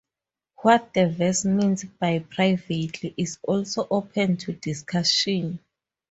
What the verse means by "privately" is also open to discussion.